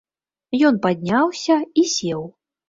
Ён падняўся і сеў.